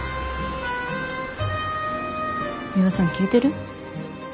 ミワさん聞いてる？